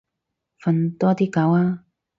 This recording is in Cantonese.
瞓多啲覺啊